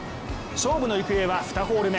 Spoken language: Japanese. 勝負の行方は２ホール目。